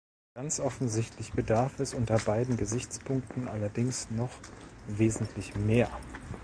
Ganz offensichtlich bedarf es unter beiden Gesichtspunkten allerdings noch wesentlich mehr.